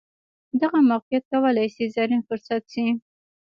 دغه موقیعت کولای شي زرین فرصت شي.